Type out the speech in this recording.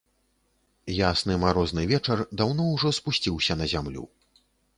Ясны марозны вечар даўно ўжо спусціўся на зямлю.